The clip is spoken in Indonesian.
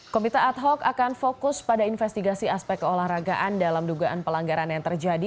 komite ad hoc akan fokus pada investigasi aspek keolahragaan dalam dugaan pelanggaran yang terjadi